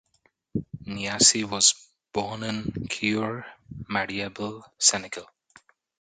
Niasse was born in Keur Madiabel, Senegal.